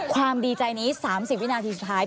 ความดีใจนี้๓๐วินาทีสุดท้าย